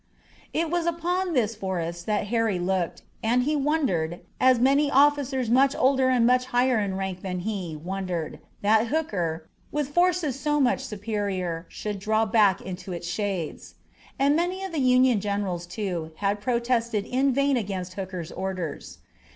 It was upon this forest that Harry looked, and he wondered, as many officers much older and much higher in rank than he wondered, that Hooker, with forces so much superior, should draw back into its shades. And many of the Union generals, too, had protested in vain against Hooker's orders.